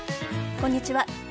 こんにちは。